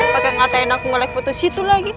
pake ngatain aku nge like foto si itu lagi